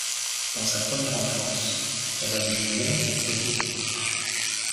Dans sa première enfance, elle avait dû même être jolie.